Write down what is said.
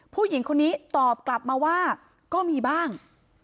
ผู้หญิงคนนี้ตอบกลับมาว่าก็มีบ้าง